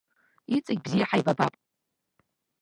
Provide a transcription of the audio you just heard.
Иҵегь бзиа ҳаибабап.